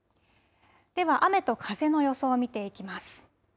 では雨と風の予想を見ていきます。